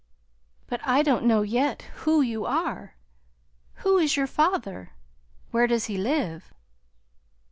"But I don't know yet who you are. Who is your father? Where does he live?"